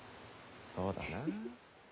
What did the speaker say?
そうだな。